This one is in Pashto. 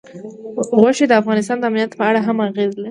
غوښې د افغانستان د امنیت په اړه هم اغېز لري.